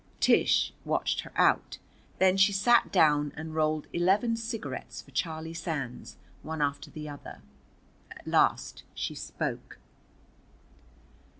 Tish watched her out. Then she sat down and rolled eleven cigarettes for Charlie Sands, one after the other. At last she spoke.